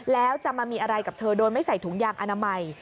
แล้วจะมามีอะไรกับเธอโดยไม่ใส่ถุงยางอนามัย